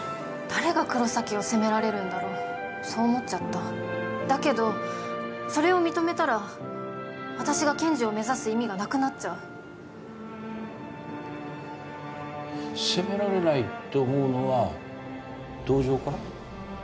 誰が黒崎を責められるんだろうそう思っちゃっただけどそれを認めたら私が検事を目指す意味がなくなっちゃう責められないって思うのは同情から？